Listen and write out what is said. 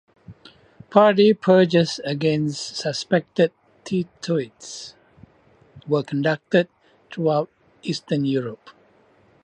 Party purges against suspected "Titoites" were conducted throughout Eastern Europe.